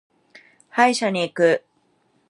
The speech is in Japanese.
歯医者に行く。